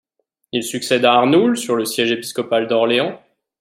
Il succède à Arnoul sur le siège épiscopal d’Orléans.